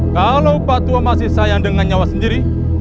kalau pak tua masih sayang dengan nyawa sendiri